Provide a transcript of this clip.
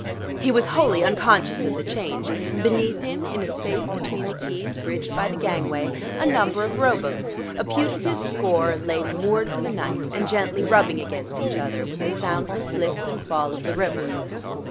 He was wholly unconscious of the change. Beneath him, in a space between the quays bridged by the gangway, a number of rowboats, a putative score, lay moored for the night and gently rubbing against each other with the soundless lift and fall of the river.